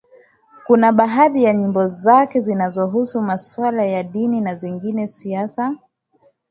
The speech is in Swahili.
Kuna baadhi ya nyimbo zake zinahusu masuala ya dini na zingine siasa